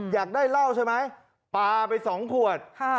อยากได้เล่าใช่ไหมปาไปสองขวด